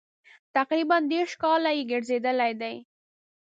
تقریبا دېرش کاله یې ګرځېدلي دي.